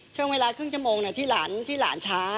ช่วงเวลาครึ่งชั่วโมงที่หลานช้า